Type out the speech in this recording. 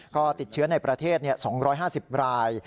ก็ติดเชื้อในประเทศ๒๕๐ราย